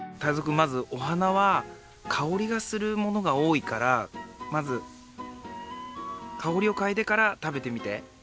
まずお花はかおりがするものがおおいからまずかおりをかいでから食べてみて。